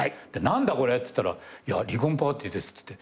何だこれっつったらいや離婚パーティーですっつって。